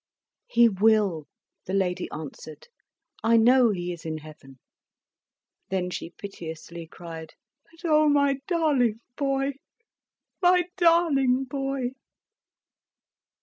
"He will!" the lady answered. "I know he is in heaven!" Then she piteously cried, "But O, my darling boy, my darling boy!"